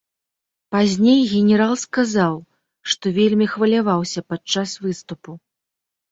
Пазней генерал сказаў, што вельмі хваляваўся падчас выступу.